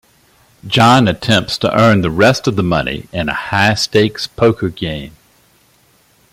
John attempts to earn the rest of the money in a high-stakes poker game.